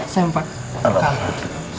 saya pak pak kata